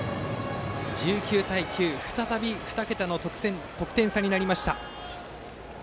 １９対９、再び２桁の得点差になりました。